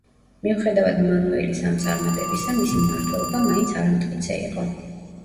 მიუხედავად მანუელის ამ წარმატებისა, მისი მმართველობა მაინც არამტკიცე იყო.